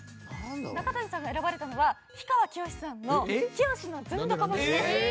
中谷さんが選ばれたのは氷川きよしさんの『きよしのズンドコ節』！えっ？何で？